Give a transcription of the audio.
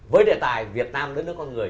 với đề tài việt nam đất nước con người